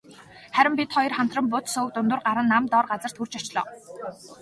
Харин бид хоёр хамтран бут сөөг дундуур гаран нам доор газарт хүрч очлоо.